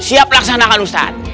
siap laksanakan ustadz